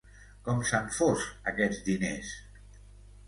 Com s'han fos, aquests diners?